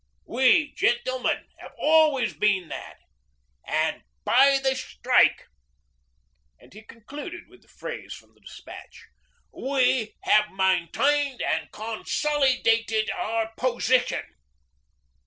We, gentlemen, have always been that, and by the strike' and he concluded with the phrase from the despatch 'we have maintained and consolidated our position.'